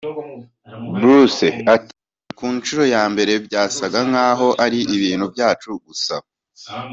Bruce ati “ Ku nshuro ya mbere byasaga nkaho ari ibintu byacu gusa